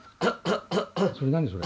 それ何それ？